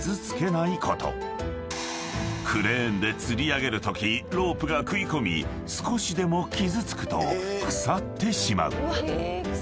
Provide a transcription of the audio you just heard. ［クレーンでつり上げるときロープが食い込み少しでも傷つくと腐ってしまう］